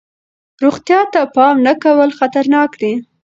روغتیا ته پام نه کول خطرناک دی.